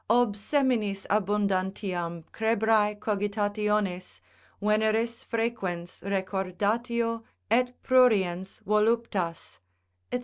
ob seminis abundantiam crebrae cogitationes, veneris frequens recordatio et pruriens voluptas, &c.